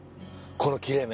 この切れ目。